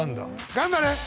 頑張れ！